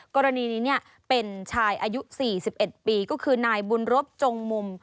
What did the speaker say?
กรณีนี้เป็นชายอายุ๔๑ปีก็คือนายบุญรบจงมุม